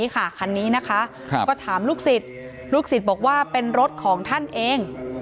ก็ถามลูกศิษย์ลูกศิษย์บอกว่าเป็นรถของท่านเอง